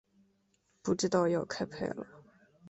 不知道要开拍了